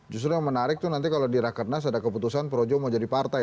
justru yang menarik itu nanti kalau di rakernas ada keputusan projo mau jadi partai